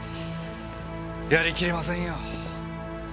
やり切れませんよ。